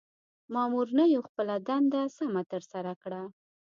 مامورنیو خپله دنده سمه ترسره کړه.